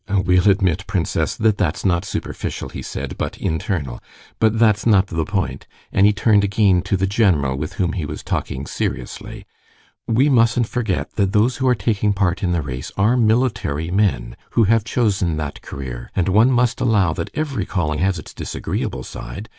"We'll admit, princess, that that's not superficial," he said, "but internal. But that's not the point," and he turned again to the general with whom he was talking seriously; "we mustn't forget that those who are taking part in the race are military men, who have chosen that career, and one must allow that every calling has its disagreeable side.